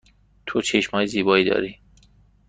تو چشم های زیبایی داری.